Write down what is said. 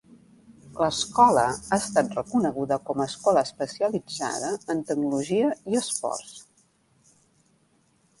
L'escola ha estat reconeguda com a escola especialitzada en tecnologia i esports.